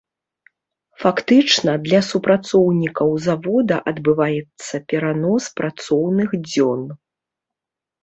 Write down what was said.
Фактычна, для супрацоўнікаў завода адбываецца перанос працоўных дзён.